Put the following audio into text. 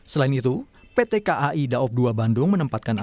selain itu pt kai daobdoa bandung menempatkan alasan